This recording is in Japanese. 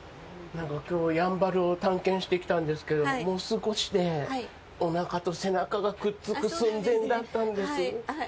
きょう、やんばるを探検してきたんですけどもう少しで、おなかと背中がくっつく寸前だったんです。